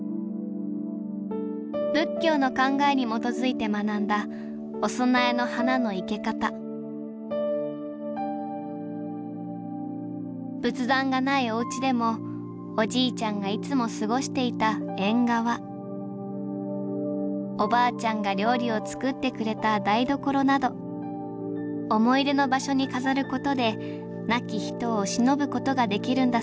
仏教の考えに基づいて学んだお供えの花の生け方仏壇がないおうちでもおじいちゃんがいつも過ごしていた縁側おばあちゃんが料理を作ってくれた台所など思い出の場所に飾ることで亡き人をしのぶことができるんだそうです。